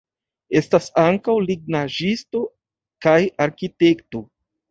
Estas ankaŭ lignaĵisto kaj arkitekto.